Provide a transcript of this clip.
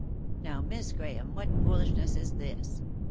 "Now, Miss Grahame, what foolishness is this?